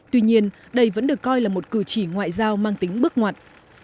tuy nhiên đây vẫn được coi là một cử chỉ ngoại giao mang tính bước ngoặt